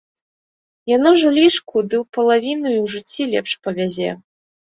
Яно ж у лішку ды ў палавіну і ў жыцці лепш павязе.